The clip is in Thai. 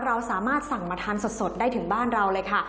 เราสามารถสั่งมาทานสดได้ถึงบ้านเราเลยค่ะ